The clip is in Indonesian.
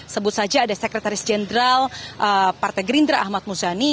sebut saja ada sekretaris jenderal partai gerindra ahmad muzani